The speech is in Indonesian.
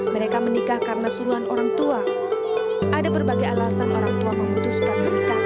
mereka menikah karena suruhan orang tua ada berbagai alasan orang tua memutuskan menikah